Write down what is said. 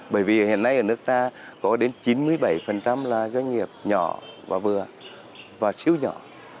bởi vì hiện nay ở nước ta có đến chín mươi bảy là doanh nghiệp nhỏ và vừa và siêu nhỏ